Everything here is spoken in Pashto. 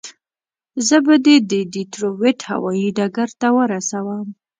زه به دې د ډیترویت هوایي ډګر ته ورسوم.